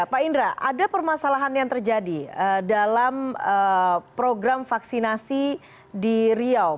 pak indra ada permasalahan yang terjadi dalam program vaksinasi di riau